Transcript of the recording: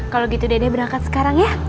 kalau gitu dede berangkat sekarang ya